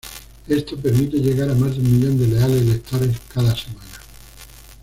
Esto permite llegar a más de un millón de leales lectores cada semana.